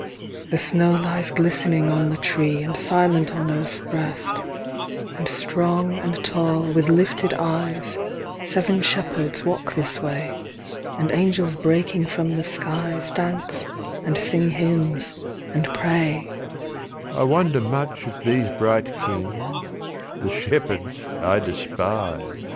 MARY The snow lies glistening on the tree And silent on Earth's breast; And strong and tall, with lifted eyes Seven shepherds walk this way, And angels breaking from the skies Dance, and sing hymns, and pray.